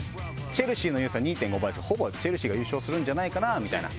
チェルシーの優勝は２．５倍ほぼチェルシーが優勝するんじゃないかなみたいな。